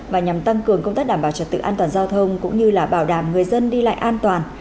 và nhằm tăng cường công tác đảm bảo trật tự an toàn giao thông cũng như là bảo đảm người dân đi lại an toàn